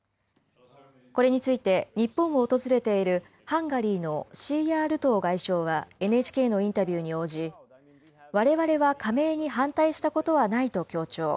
これについて、日本を訪れているハンガリーのシーヤールトー外相はＮＨＫのインタビューに応じ、われわれは加盟に反対したことはないと強調。